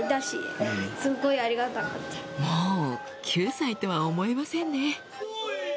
もう９歳とは思えませんね